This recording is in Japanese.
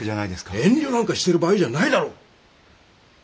遠慮なんかしてる場合じゃないだろう。